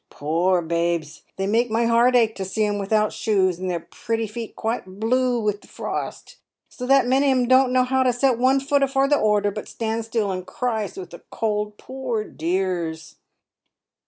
Poor babes, they make my heart ache to see 'em without shoes, and their pretty feet quite blue with the frost, so that many on 'em don't know how to set one foot afore the other, but stands still and cries with the cold, poor dears